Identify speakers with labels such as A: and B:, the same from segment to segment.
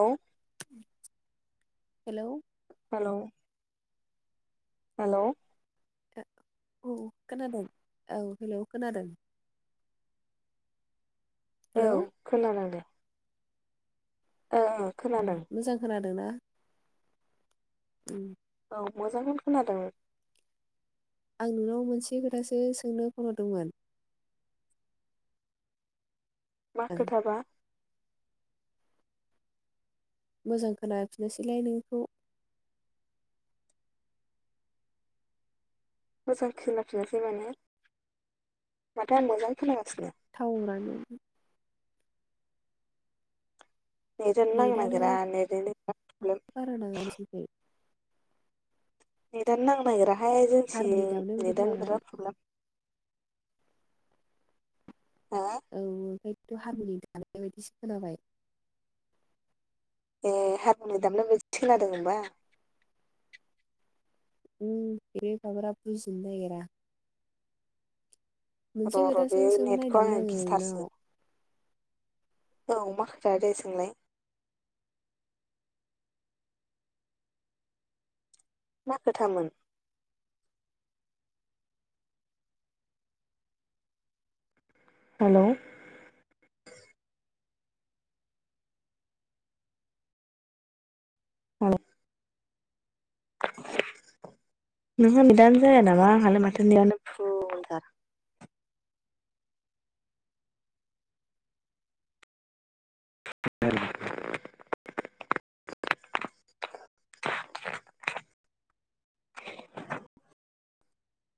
A: औ
B: hello
A: hello hello
B: ओ औ खोनादों औ हेलौ खोनादों हेलौ
A: औ खोनांदों
B: उम
A: खोनादों
B: मोजां खोनादोंना
A: औ मोजांनो खोनादों
B: आं नोंनाव मोनसे खोथासो सोंनो फनहरदोंमोन
A: मा खोथाबा
B: मोजां खोनाफिनासैलाय नोंनिखौ
A: मोजां खोनाफिनासै माने माथो आं मोजां खोनागासिनो
B: थाव रानो
A: नेटानो नांनो
B: नेटआनो
A: नांगिरा नेटनिनो बिय़ाव प्रब्लेम
B: बारा नाङा नोंसिनिखै
A: नेदानो नांनो नागिराहाय जोंथिं
B: हारमुनि दामनाय बायदि
A: नेदानो
B: खोनाबाय
A: बिराद प्रब्लेम हा
B: बे हारमुनि गाबनाय बायदिसो खोनाबाय
A: ए हारमुनि‌ दामनाय बायदिसो खोनादों होमबा
B: उम बेब्रे बाब्रा बुजिनो नो नागिरा मोनसे
A: र' बे
B: खोथासो सोंनो
A: नेटखौ
B: नागिरदोंमोन आङो नोंनाव
A: गिथारसै औ मा खोथादे सोंलाय मा खोथामोन हेलौ औ
B: [unintelligible]
A: नोंहा नेदानो जाया नामा आंहालाय माथो नेदानो फुलथार [unintelligible]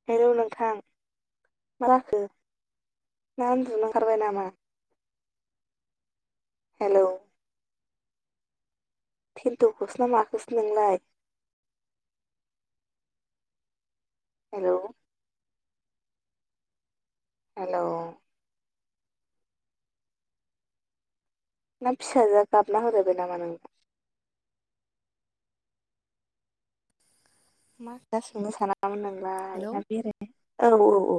A: हेलौ‌ नोंथां मा जाखो ना उन्दुनो ओंखारबाय नामा हेलौ थेन्थखोसो ना माखोसो नोंलाय हेलौ हेलौ ना फिसाजोआ गाबना होलायबाय नामा नोंना मा सोंनो सानाङामोन नोंलाय
B: हेलौ
A: ना बेरायनाय औ औ औ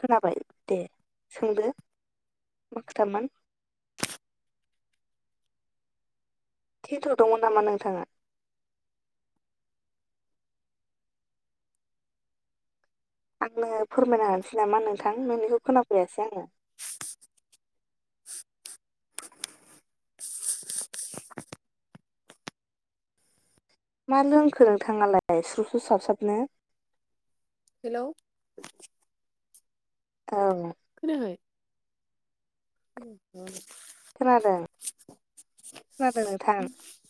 A: खोनाबाय दे सोंदो मा खोथामोन
B: [inaudible]
A: थेथदोंमोन नामा नोंथाङा आंनो फोरमायनो होनिसै नामा नोंथां नोंनिखौ खोनाफैयाासै आङो
B: [inaudible]
A: मा लोंखो नोंथाङालाय स्रु स्रु साबसाबनो
B: हेलौ
A: औ
B: खोनायाखै? खोनायाखैथ
A: खोनादों। खोनादों नोंथां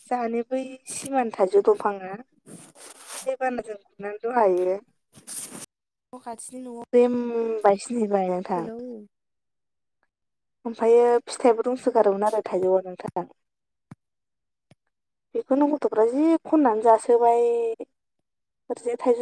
A: जाहानि बै सिमानि थाइजौ दंफाङा दैबानाजों बुनानै दहायो न' खाथिनि न'आव फेम बायसिनहैबाय नोंथां।
B: हेलौ
A: ओमफ्रायो फिथाइबो दंसोगारोमोन आरो थाइजौआव नोंथां। बेखौनो गथ'फ्रा जि खननानै जासोबाय फारसेथिं थाइजौ